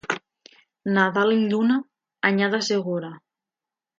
Nadal amb lluna, anyada segura.